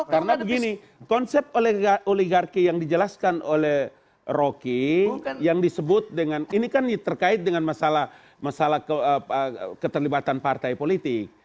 karena begini konsep oligarki yang dijelaskan oleh rocky yang disebut dengan ini kan terkait dengan masalah keterlibatan partai politik